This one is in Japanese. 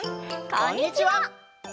こんにちは。